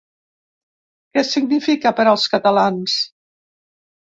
Què significa per als catalans?